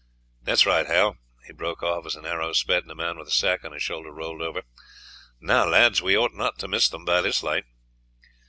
That is right, Hal," he broke off, as an arrow sped and a man with a sack on his shoulder rolled over. "Now, lads, we ought not to miss them by this light."